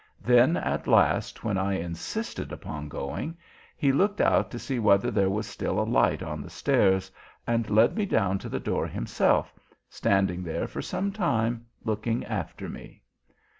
Then at last, when I insisted upon going, he looked out to see whether there was still a light on the stairs, and led me down to the door himself, standing there for some time looking after me.